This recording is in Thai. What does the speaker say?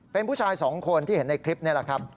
เป็นผู้ชายสองคนที่เห็นในคลิปนี่แหละครับ